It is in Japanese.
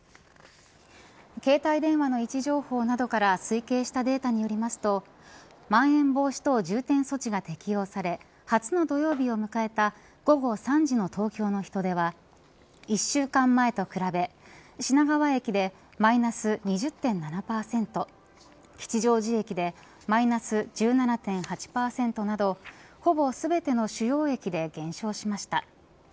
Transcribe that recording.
携帯電話の位置情報などから推計したデータによりますとまん延防止等重点措置が適用され初の土曜日を迎えた午後３時の東京の人出は１週間前と比べ品川駅で、マイナス２０．７％吉祥寺駅でマイナス１７．８％などほぼ全ての主要駅で減少しました。